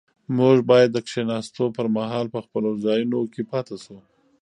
موږ باید د کښېناستو پر مهال په خپلو ځایونو کې پاتې شو.